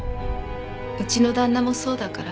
うちの旦那もそうだから」